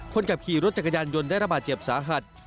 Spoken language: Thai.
คนขับขี่รถจักรยานยนต์ได้ระบาดเจ็บสาหัส